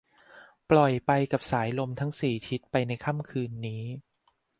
ปล่อยไปกับสายลมทั้งสี่ทิศไปในค่ำคืนนี้